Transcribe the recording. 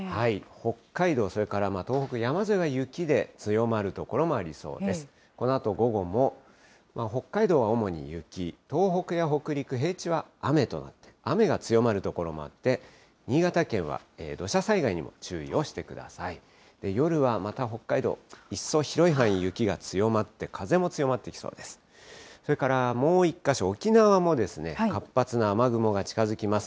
北海道、それから東北山沿いは雪で、強まる所もありそうです。